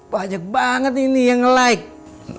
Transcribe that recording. banyak banget ini yang like